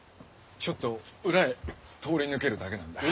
ちょっと裏へ通り抜けるだけなんだが。